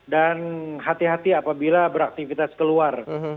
dan hati hati apabila beraktifitas keluar